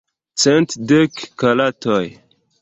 Cent dek karatoj.